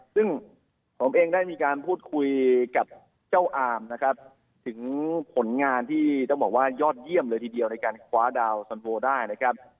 ซึ่งผมเองได้มีการพูดคุยกับเจ้าอาร์มนะครับ